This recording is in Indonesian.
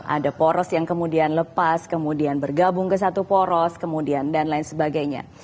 ada poros yang kemudian lepas kemudian bergabung ke satu poros kemudian dan lain sebagainya